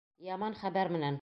Яман хәбәр менән